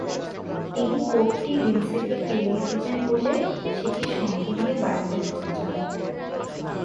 তিনি কোটটি লিন্ডসেকে ফিরিয়ে দেবেন বলে সেটি সঙ্গে নিয়ে বাড়িতে চলে যান।